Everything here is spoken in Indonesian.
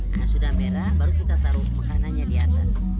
nah sudah merah baru kita taruh makanannya di atas